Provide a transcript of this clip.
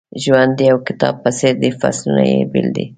ژوند د یو کتاب په څېر دی فصلونه یې بېل دي.